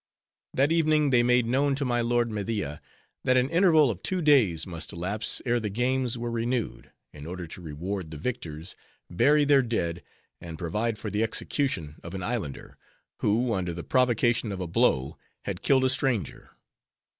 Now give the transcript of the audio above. That evening they made known to my lord Media that an interval of two days must elapse ere the games were renewed, in order to reward the victors, bury their dead, and provide for the execution of an Islander, who under the provocation of a blow, had killed a stranger.